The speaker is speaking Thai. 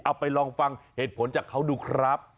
เอาไปลองฟังเหตุผลจากเขาดูครับ